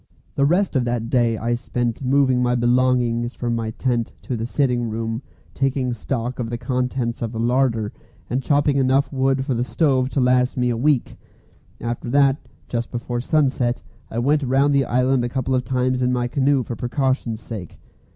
The rest of that day I spent moving my belongings from my tent to the sitting room, taking stock of the contents of the larder, and chopping enough wood for the stove to last me for a week. After that, just before sunset, I went round the island a couple of times in my canoe for precaution's sake.